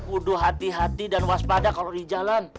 uduh hati hati dan waspada kalau di jalan